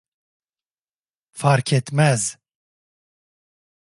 Fark etmez.